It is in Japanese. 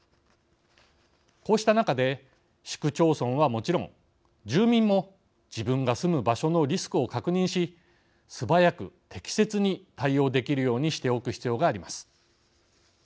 こうした中で市区町村はもちろん住民も自分が住む場所のリスクを確認し素早く適切に対応できるようにしておく必要があります。